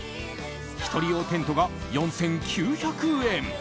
１人用テントが４９００円。